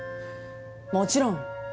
もちろん。